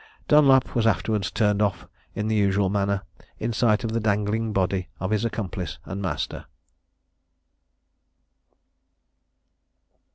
Dunlap was afterwards turned off in the usual manner, in sight of the dangling body of his accomplice and master.